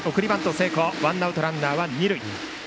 成功でワンアウトランナー、二塁。